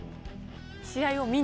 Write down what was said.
試合を見に？